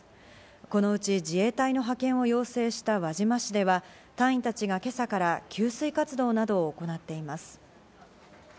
このうち自衛隊の派遣を要請した輪島市では隊員たちが今朝から給水活動などを行っています。